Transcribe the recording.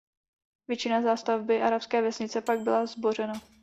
Většina zástavby arabské vesnice pak byla zbořena.